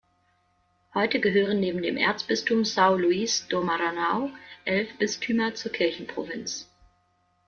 Heute gehören neben dem Erzbistum São Luís do Maranhão elf Bistümer zur Kirchenprovinz.